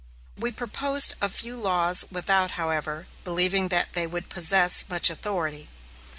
We proposed a few laws without, however, believing that they would possess much authority.